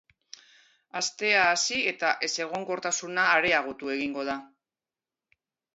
Astea hasi eta ezegonkortasuna areagotu egingo da.